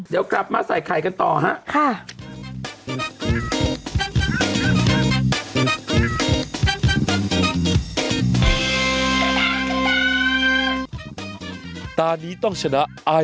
เดี๋ยวกลับมาใส่ไข่กันต่อฮะ